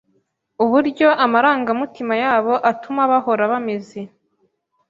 uburyo amarangamutima yabo atuma bahora bameze